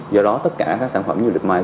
do đó tất cả sản phẩm du lịch mice